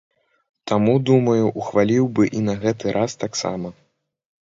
Таму, думаю, ухваліў бы і на гэты раз таксама.